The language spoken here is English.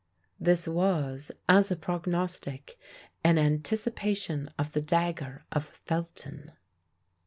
This was, as a prognostic, an anticipation of the dagger of Felton!